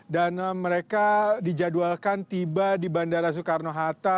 dan mereka dijadwalkan tiba di bandara soekarno hatta